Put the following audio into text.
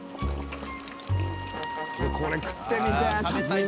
これ食ってみてえ。